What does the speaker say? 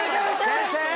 ・先生！